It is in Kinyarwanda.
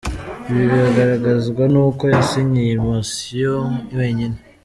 Ibi biragaragazwa n’uko yasinye iyi motion wenyine.